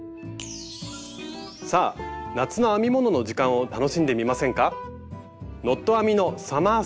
さあ夏の編み物の時間を楽しんでみませんか？